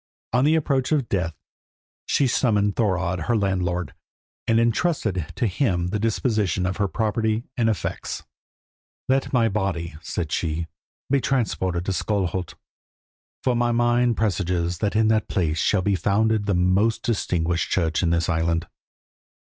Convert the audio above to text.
On the approach of death she summoned Thorodd, her landlord, and intrusted to him the disposition of her property and effects. "Let my body," said she, "be transported to Skalholt, for my mind presages that in that place shall be founded the most distinguished church in this island.